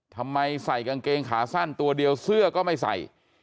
ทำไมใส่กางเกงขาสั้นตัวเดียวเสื้อก็ไม่ใส่